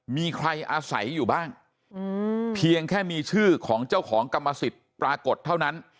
มีใครอาศัยอยู่บ้างเพียงแค่มีชื่อของเจ้าของกรรมสิทธิ์ปรากฏเท่านั้น